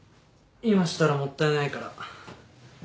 今したらもったいないから。